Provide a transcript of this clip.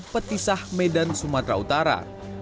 petisah medan sumatera utara